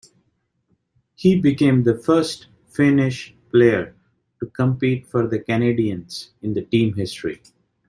He became the first Finnish player to compete for the Canadiens in team history.